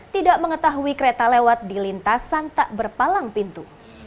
tidak mengetahui kereta lewat di lintasan tak berpalang pintu